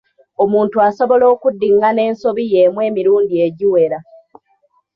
Omuntu asobola okuddingana ensobi y'emu emirundi egiwera.